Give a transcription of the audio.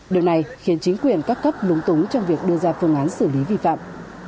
điều này khiến chính quyền các cấp lúng túng trong việc đưa ra phương án xử lý vi phạm